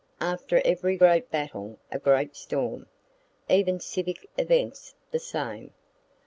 After every great battle, a great storm. Even civic events the same.